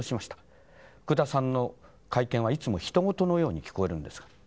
「福田さんの会見はいつも人ごとのように聞こえるんですが」。